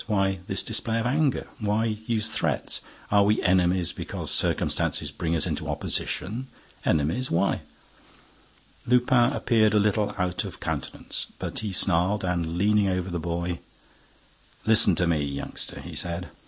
Why this display of anger? Why use threats? Are we enemies because circumstances bring us into opposition? Enemies? Why?" Lupin appeared a little out of countenance, but he snarled and, leaning over the boy: "Listen to me, youngster," he said.